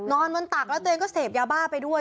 นอนบนตักแล้วตัวเองก็เสพยาบ้าไปด้วย